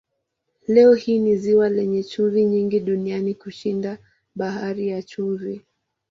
Leo hii ni ziwa lenye chumvi nyingi duniani kushinda Bahari ya Chumvi.